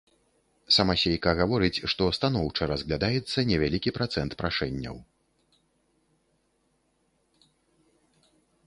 Самасейка гаворыць, што станоўча разглядаецца невялікі працэнт прашэнняў.